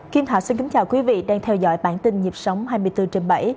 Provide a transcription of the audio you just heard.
kim thảo xin kính chào quý vị đang theo dõi bản tin nhịp sóng hai mươi bốn trên bảy